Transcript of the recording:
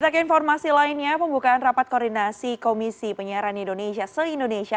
kita ke informasi lainnya pembukaan rapat koordinasi komisi penyiaran indonesia se indonesia